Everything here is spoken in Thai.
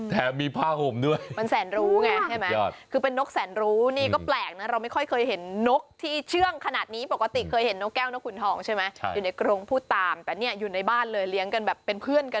เขาบอกว่าเลี้ยงมาได้ตอนนี้มันอายุประมาณก็๒เดือนแล้วนะ